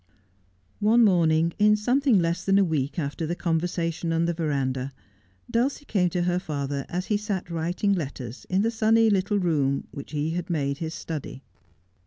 One morning, in something less than a week after the conversation in the verandah, D.ilcie came to her fa'her as he sat writing letters in the sunny little room which he had made his study.